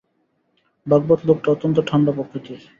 ভাগবত লোকটা অত্যন্ত ঠাণ্ডা প্রকৃতির!